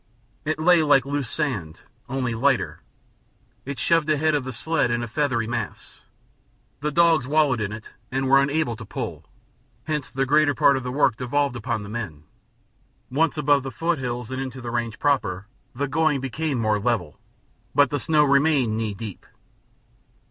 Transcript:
It lay like loose sand, only lighter; it shoved ahead of the sled in a feathery mass; the dogs wallowed in it and were unable to pull, hence the greater part of the work devolved upon the men. Once above the foothills and into the range proper, the going became more level, but the snow remained knee deep.